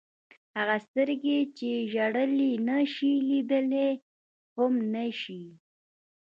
هغه سترګې چې ژړلی نه شي لیدلی هم نه شي.